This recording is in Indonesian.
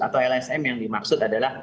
atau lsm yang dimaksud adalah